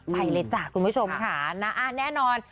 ไปเลยจ้ะคุณผู้ชมค่ะนะแน่นอน